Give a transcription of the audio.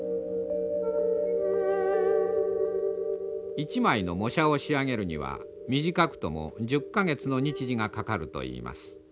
一枚の模写を仕上げるには短くとも１０か月の日時がかかるといいます。